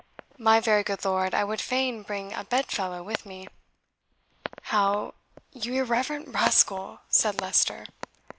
"My very good lord, I would fain bring a bed fellow with me." "How, you irreverent rascal!" said Leicester.